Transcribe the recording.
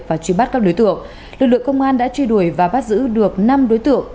và truy bắt các đối tượng lực lượng công an đã truy đuổi và bắt giữ được năm đối tượng